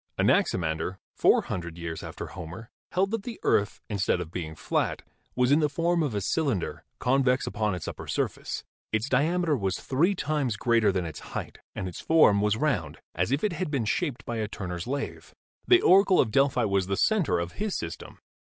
Anaximander, four hundred years after Homer, held that the earth, instead of being flat, was in the form of a cylinder, convex upon its upper surface. Its diameter was three times greater than its height and its form was The Earth According to Anaximander. round, as if it had been shaped by a turner's lathe. The Oracle of Delphi was the center of his system.